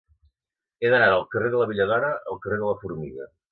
He d'anar del carrer de la Belladona al carrer de la Formiga.